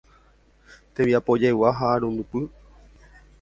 Tembiapojegua ha Arandupy